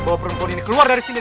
bahwa perempuan ini keluar dari sini